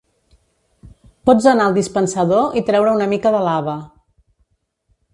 Pots a anar al dispensador i treure una mica de lava.